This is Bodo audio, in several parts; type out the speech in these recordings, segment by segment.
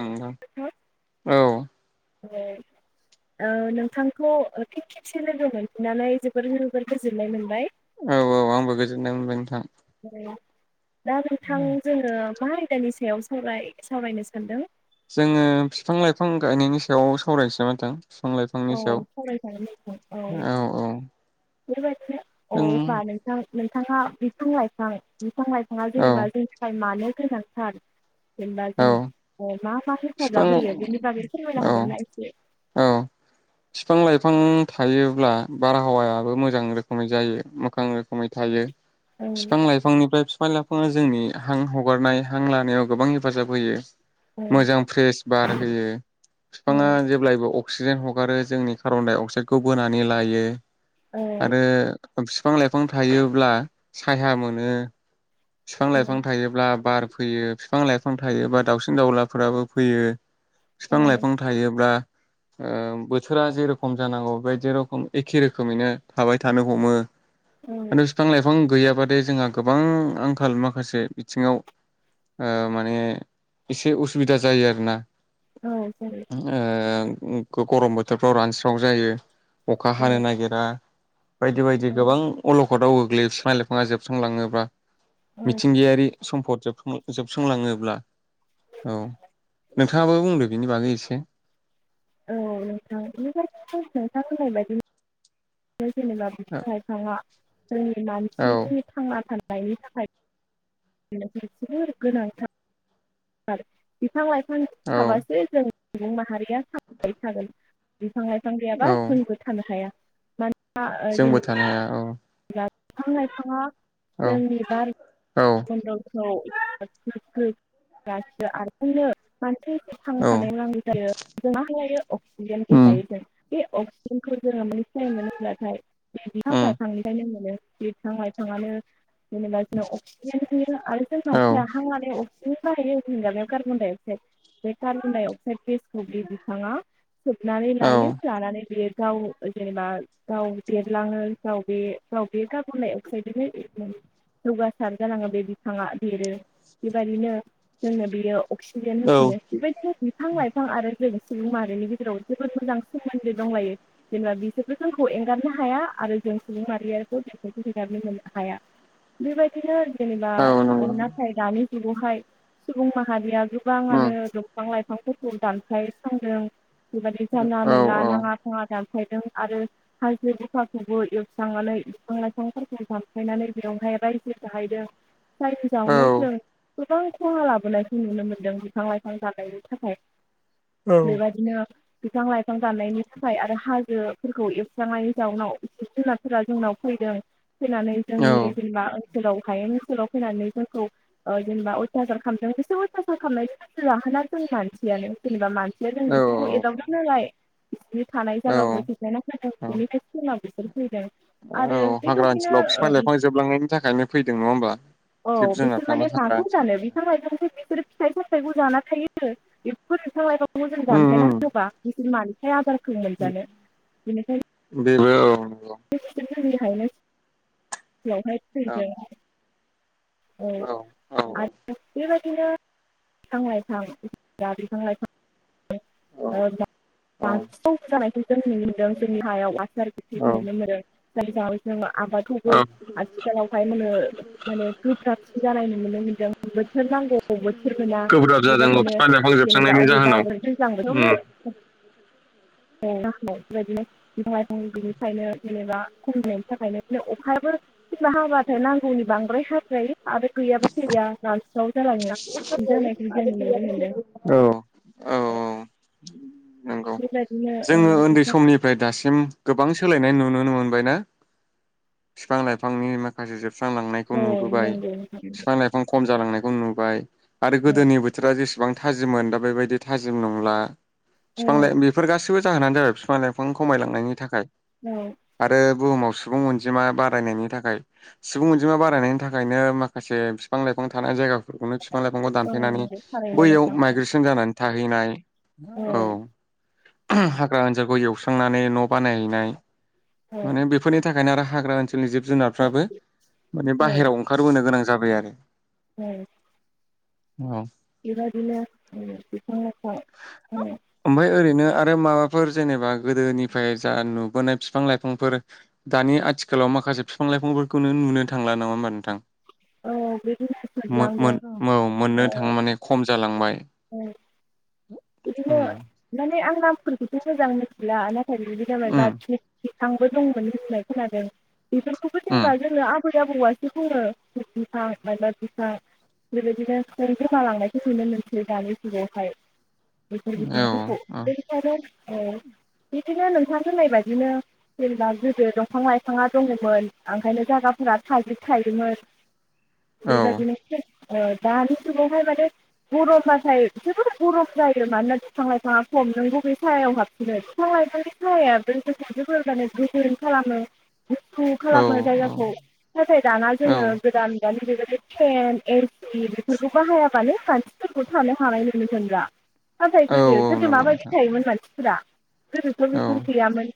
औ नोंथां औ ओ नोंथांखौ पफिन खेबसे लोगो मोनफिननानै जोबोर जोबोर गोजोननाय मोनबाय औ औ आंबो गोजोननाय मोनबाय नोंथां। दा नोंथां जोङो मा आयदानि सा सायाव सावराय सावरायनो सानदों जोङो बिफां लाइफां गायनायनि सायाव सावरायनोसै नामा नोंथां बिफां औ लाइफांनि सायाव सावरायजागोन औ औ बेफोर औ जों बा नोंथां नोंथाङा बिफां लाइफां बिफां लाइफां आ औ जेनेबा जोंनि थाखाय मानो गोनांथार जेनबा औ जोङो अ मा मा बिफां हेसाजाब होयो बेनि बै फोरमायनो औ हागोनना एसे औ बिफां लाइफां थायोब्ला बारहावायाबो मोजां रोखोमै जायो गोबां रोखोमै थायो औ बिफां लाइफांनिफ्राय बिफां लाइफाङा जोंनि हां हगारनाय हां लानायाव गोबांनि हेफाजाब होयो। औ मोजां फ्रेस बार होयो औ बिफाङा जेब्लायबो अ अक्सिजेन हगारो जोंनि कार्बन डाइ अक्साइडखौ बोनानै लायो। औ आरो बिफां लाइफां थायोब्ला सायहा मोनो। बिफां औ लाइफां थायोब्ला बार फैयो बिफां लाइफां थायोबा दाउसिन दाउलाफोराबो फैयो। औ बिफां लाइफां थायोब्ला ओ बोथोरा जेरखम जानांगौ बे जेरखम एखे रोखोमैनो थाबाय थानो हमो। म बिफां लाइफां गैयाब बोदै जोंहा गोबां आंखाल माखासे बिथिङाव ओ माने एसे उसुबिदा जायो आरोना। औ ओ गरम बोथोरफ्राव रानस्राव जायो। अखा औ हानो नागिरा बायदि बायदि औ गोबां अल आव गोग्लैयो बिफां लाइफाङा जोबस्रां लाङोब्ला औ मिथिंगायारि सम्फदब जोबस्रांलाङोब्ला औ नोंथाङाबो बुंदो बिनि बागै एसे औ नोंथांनि नोंथां होनाय बायदि। जेनेबा बिफां लाइफाङा जोंनि औ मानसि थांना थानाय बायनि थाखाय जोबोर गोनां थार बिफां लाइफां औ थाबासो जों सुबुं माहारि या थांनानै थागोन। बिफा लायफां गैयाबा औ जोंबो थानो हाया। मान जोंबो थानो हाया औ। बिफां लाइफाङा औ जोंनि बार औ मनदलखौ [unintelligible] मानसि थांना औ थानायाव नांगौ जायो जों मा लायो अक्सिजेन गेस उम लायो जों बे अक्सिजेनखौ जोङो मानिफ्राय मोनो होनब्लाथाय बिफां उम लाइफां [unintelligible] बिफां लाइफाङानो जेनेबा जों अक्सिजेन होयो आरो जों औ मानसिया हां लानायाव अक्सिजेन बाहायो [unintelligible] कार्बनडाइ अकसाइड बे कार्बन दडाइ अक्साइड गेसखौ बे बिफाङा सोबनानै औ लायो लानानै बियो गाव जेनेबा गाव देरलाङो गाव बे गाव बे कार्बन डाइ अक्साइडजोंनो जौगासार जालाङो बे बिफाङा देरो बेबायदिनो जोंनो बेयो अक्सिजेन औ होफिनो बेबायदि हो बिफां लाइफां आरो जों सुबुं माहारिनि गेजेराव जोबोद मोजां सोमोन्दो दंलायो जेने जों सुबुं माहारियारिबो बिसोरखौ हेगारनो हाया बेबायदिनो जेनेबा औ नंगौ नाथाय दानि बेवहाय सुबुं माहारिया उम गोबाङानो दंफां लाइफां दंफांफोरखौ दानफाय सांदों बिबायदि जानला औ मानला औ नाङा फाङा दान फायदों आरो [unintelligible] एवस्रांनानै बिफां लाइफांफोरखौ दामफायनानै बेंहाय रायजो जाहैदों जायनि औ जावनाव जों गोबां खहा लाबोनायखौ नुनो मोन्दों बिफां लाइफां दानायनि थाखाय। बेबादिनो बिफां लाइफां दाननायनि थाखाय आरो हाजोफोरखौ एवस्रांनायनि जाउनाव जिब जुनारफोरा जोंनाव फैदों। फैनानै औ जोंनि जेनेबा ओनसोलाव हायेन ओनसोलाव फैनानै जोंखौ ओ जेनेबा अयतासार खामदों बिसोर अयथासार खालामनायनि मेन जाहोना जों मानसियानो जेनेबा मानसि यानो जों औ बेसोरखौ एदावदों नालाय बिसोरनि थानाय औ जागाखौ सेफायना होदों बेनिफ्राय सोनाब औ हाग्रा ओनसोलाव फिफां लाइफां जोबलांनायनि थाखायनो फैदों नङा होमबा औ जिब बिसोर माने जुनारफ्राा हाग्रा माखौ जानो ओनसोलनि ओ बिफां लाइफांखौ बिसोर फिथाइ फामथाइखौ जाना थायो इफोर बिफांलाइफां खौ जों उम दानफायना उम होबा बि मानिफ्राय आदार खौ मोनजानो बेबो औ नंगौ बेनिखायनो नो हायनो बेयावहाय औ फैदों। औ औ आ बिबा दिनो बिफां-लाइफां बा बिफां लाइफां ओ औ औ बांसिन जानायखौ जों नुनो मोन्दों जोंनि हायाव [unintelligible] औ [unintelligible] [unintelligible] आबादखौबो औ आथिखालावहाय मानो माने गोब्राबसिन जानाय नुनो मोनदों। बोथोर नांगौ बोथोर मोना गोब्राब जादों बेबायदिनो बिफां लाइफां जेनेबा जोबस्रांनायनि अबे जाहोनाव बाबो दैज्लां उम बोथोरावनो औ बेबायदिनो बिफां-लाइफां गैयैखायनो जेनेबा खमिनायनि थाखायनो बिदिनो अखायाबो कमबा हाबाथाय नांगौनि बांद्राय हाद्रायो आरो गैयाबा गैया रान [unintelligible] औ। द [inaudible] औ नंगौ जोङो उन्दै समनिफ्राय दासिम गोबां सोलायनाय नुुनो मोनबायना। फिफां लाइफांनि माखासे जोब स्रांलांनायखौ औ नुबोबाय नंगौ नोंथां फिफां लाइफां खम जालांनाय नु बाय। आरो औ गोदोनि बोथोरा जेसे बां थाजिममोन दा बेबायदि थाजिम नंला। फिफां लाइ बेफोर गासिबो जाहोनानो जाबाय फिफां लाइफां खमायलांनायनि थाखाय। औ आरो बुहुमाव सुबुं अनजिमा बारायनायनि थाखाय। सुबुं अनजिमा बारायनायनि थाखायनो माखासे फिफां लाइफां थानाय जायगा फोरखौनो फिफां लाइफांखौ औ दानफायनानै नंगौ थारैनो बैयाव नोंथां माइग्रेसन जानानै थाहैनाय औ। हाग्रा ओनजावखौ एवस्रांनानै न' बानायहैनाय औ मा होनो बेफोरनि थाखायनो आरो हाग्रा ओनसो नि जिब जुनारफ्राबो माने औ बाहेराव ओंखारबोनो गोनां जाबाय आरो औ। औ बेबादिनो बिफां लाइफां [unintelligible] ओमफ्राय ओरैनो आरो माबाफोर जेनेबा गोदोनिफ्राय जा नुबोनाय फिफां लाइ फांफोर दानि आथिखालाव माखासे फिफां लाइफांफोरखौनो नुनो थांला नङा होमबा नोंथां। औ बिदिनो मो जोबलांदों मोन औ मोननो औ थां माने खम जालांबाय। औ। इदिनो उम माने आं नामफोरखौथ' मोजां मिथिला नाथा उम [unintelligible] बेथांबो दंमोन होननाय खोनादों। बेफोरखौबो जेनेबा उम जोङो आबुं फैयाबौवासो बुङो बिफां माइबा बिफां बेबायदिनो सोर गोमालांनायखौ नुनो मोनसै दानि जुगावहाय। बेफोर औ बिफांफोरखौ औ [inaudible] औ बिदिनो नोंथां होननाय बादिनो जेनेबा गोदो दंफां लाइफाङा दङमोन ओंखायनो जायगाफोरा थाजोब थायोमोन। औ बिफोरबादिनि [inaudible] ओ दानि जुगावहाय माने गरमबाथाय जेबो गरम, जायो मानोना बिफां लाइफाङा सम नों बबे साहायाव हाबफिनो बिफां लाइफांनि साहाय बे गोसजो हानो गोजोन खालामो। गुसु खालामो जायगाखौ नाथाय दाना औ जोङो गोदान। [inaudible] ए बेफोरखौ बाहायाबानो। [inaudible] [unintelligible] औ गोदो औ गोदो नंगौ माबायदि नोंथां थायोमोन मानसिफोरा गोदोथ औ बेफोर गैयामोन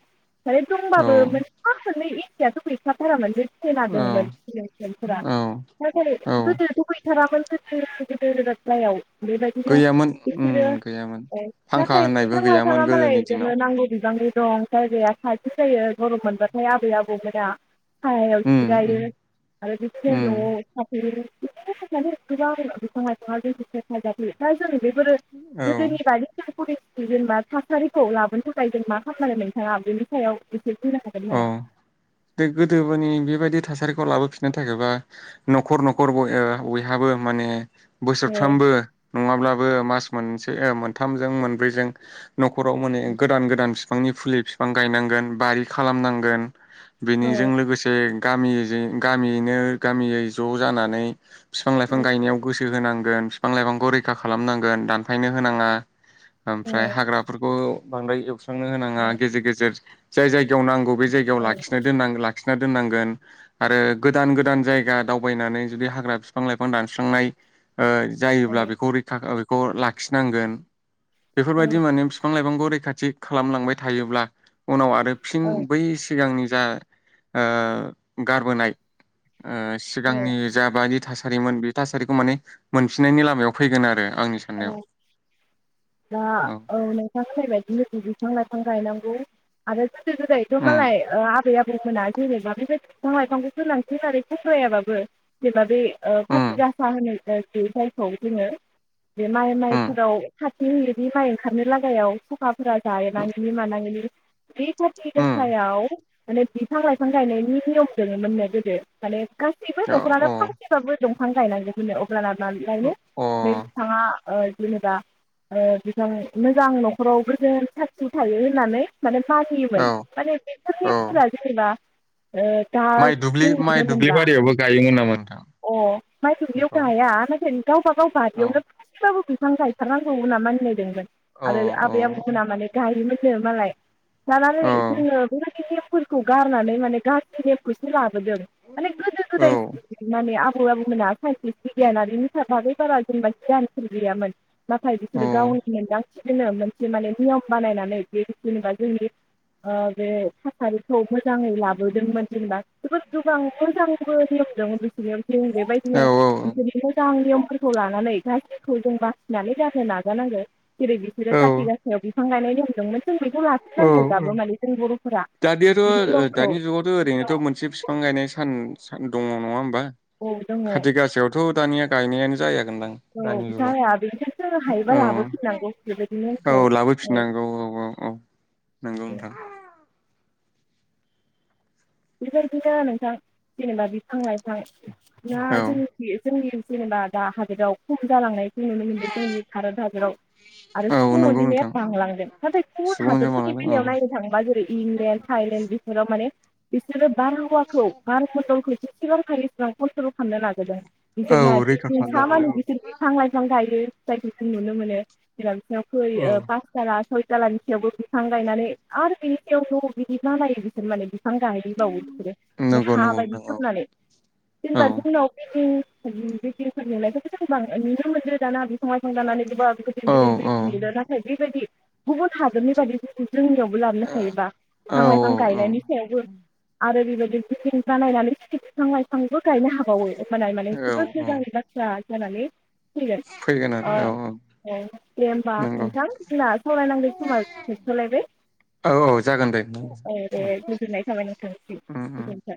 माने औ दंबाबो मोनफा मोननै [inaudible] गैखाथार मोन औ [inaudible] नाथाय औ गोदोथ गैथारामोन [inaudible] बेबदिनो गैयामोन [inaudible] उम बिदिनो गैयामोन फांखा होननायबो गैयामोन गोदोनि दिनाव नांगौ बिबांनि दं जायगाया खाथि जायो गरम मोनबाथाय आबै आबौमोना उम उम उम [unintelligible] [unintelligible] दा जों बेफोरो औ गोदोनि दानि जेनेबा थासारिखौ लाबोनो थाखाय जों मा खामनांगोन नोंथाङा बेनि सायाव एसे बुंनो हागोन औ नामा? दे गोदोबोनि बेबायदिथ' थासारिखौ लाबोफिननो थाखायबा नखर नखर बयहाबो माने औ बोसोरफ्रामबो नङाब्ला बो मास मोनसे मोनथामजों मोनब्रैजों नखराव माने गोदान गोदान बिफांनि फुलि बिफां गायनांगोन बारि खालामनांगोन औ बेनिजों लोगोसे गामिजों गामियैनो गामियै ज जानानै बिफां औ लाइफां गायनायाव गोसो होनांगौ फिफां लाइफांखौ रैखा खालामनांगोन दानफायनो होनाङा औ ओमफ्राय हाग्राफोरखौ बांद्राय एवसां थांनो होनाङा गेजेर गेजेर जाय जाय याव नांगौ बे जायगायाव औ लाखिना दोननां लाखि लाखिना दोननांगोन आरो गोदान गोदान जायगा दावबायनानै जुदि हाग्रा बिफां लाइफां दानस्रांनाय ओ जायोब्ला बेखौ रैखा खौ लाखिनांगोन औ बेफोरबायदि माने बिफां लाइफांखौ रैखाथि खालामलांबाय थायोब्ला उनाव आरो औ फिन बै सिगांनि‌ जा आ गारबोनाय आ औ सिगांनि जाबायदि थासा रिमोन बे थासारिखौ माने मोनफिननायनि लामायाव फैगोन आरो आंनि औ साननायाव दा औ औै नों आंजोंबायदि हांरनांगौ आरो गोजो गोजायथ' उम मालाय आबै-आबौ जा जेनेबा बेबायदि बिफां-लाइफांखौ सोलांफिन आरो फस्रायाबाबो जेनबा बे ओ उम खाथि गासा होनो आरोखि जायखौ जोङो बे उम माइ-माइफोराव खाथि हनि माइ ओंखारनो लागायाव सुखा जाह उम नांगनि मानांगिनि बे खाथि गायाव माने बिथाङा बिफां गायनायनि नियम दंमोननो गोदो माने गासैबो औ अ न'खरानो फांसेबाबो दं। फां नायनांगौ दिनो [unintelligible] आ अ जेनेबा मोजां न'खरावबो जों साखि थायो होननानै माने मानियोमोन औ [unintelligible] औ नेमफोरा जेनेबा दा माइ दुब्लि जों माइ नुनो दुब्लि मोनब्ला बारियावबो गायोमोन नामा नोंथां अ माइ दुलियाव बेखौ गाया ओमाफ्रायों गावबागाव औ बारियावनो गाबो बिफां गायथारनांगौ होनना मानिनायदोंमोन। औ आरो औ आबै आबौ मोना गायोमोन। मालाय लानानै औ जोङो बेबायदि नेमफोरखौ गारनानै माने गाज्रि नेमखौसो ला बोदों माने गोदो औ गोदाय माने [unintelligible] गारिफोर गैयामोन। नाथाय बिसोरो गावनि मोनदां नो मोनसे माने नियम बानायनानै बे जेनेबा जोंनि ओ बे थासारिखौ मोजाङै लाबोदोंमोन जेनेबा जोबोद गोबां मोजांबो नियम दंमोन बिसोर जों बेबायदिनो बिसोरनि मोजां नियम खौ लानानै गाज्रिखौ जों बासिनानै गारनो नाजानांगो जेरै बिसोरो औ काथि गासायाव बिफां गायनाय नियमदोंमोन। औ औ दानियाथ' बे नियमखौ दानि जुगावथ' ओरैनोथ' मोनसे बिफां गायनाय सान दङ नङा होनबा? औ दङ खाथि गासायावथ' दानिया गायनायानो जाया जागोनदां औ दानि जुगाव जाया बेनिखायनो जोङो हायोबा औ लाबोफिननांगौ बेबायदि नेमखौ औ लाबोफिननांगौ औ औ औ। नोंगौ औ नोंथां। बेफोरबादिनो नोंथां जेनेबा बिफां लाइफां ना औ जोंनिखि जोंनि जेनेबा दा हादोराव खम जालांनायखौ नुनो मोनदों जोंनि भारत हादोराव आरो औ सुबुं‌ नंगौ अनजिमाया नोंथां बांलांदों नाथाय गुबुन सुबुंजों हादरफोरनि मालायदों औ बेलायाव नायनो थाङोबा जेरै इंलेण्ड, थाइलेण्ड बेफोराव माने बिसोरो बारहवाखौ बार मण्डलखौ सिगांहाय जसेबां क'नथ्र'ल खालामनो नाजादों औ बिसोरना रैखा खालामनानै साहामानि औ बिसोरहा बिफां लायफां गायो जायखौ नुनो मोनो बिराद। नखोयो पास तला सय टालानिसायावबो फिफां गायनानै आरो बेनि सायाव न' बिदि बानायो बिसोर माने। बिफां गायैबावो बिसोरो नंगौ हा नंगौ बायदि नोंथां खालामनानै औ जेनेबा जोंनाव [unintelligible] बेफोरखौ नुनायखौथ' जों गोबां नुनो मोन्दों दाना समायसं जानानै गोबा औ गिदिर-गिदिर औ बिलदिं लुदों नाथाय बेबायदि गुबुन हादरनिबादि [unintelligible] जोंनियावबो लाबोनो हायोबा औ बिफां लाइफां औ गायनायनि आरो बेबायदि बिल्दिं नायनानै बिफां लाइफांबो गायनो हाबावो। होनाय मानाय औ जोबोद औ औ मोजांनि बाथ्रा [unintelligible] जानानै फैगोन अ औ दे होमबा नंगौ नोंथां जोंना सावरायनांगौ समा जोबथ'लायबाय औ औ जागोन दे औ दे। गोजोननाय थाबाय नोंथांनिसिम उम उम गोजोन्थों।